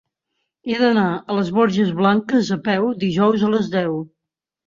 He d'anar a les Borges Blanques a peu dijous a les deu.